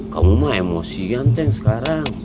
kamu emosian ceng sekarang